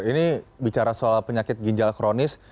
ini bicara soal penyakit ginjal kronis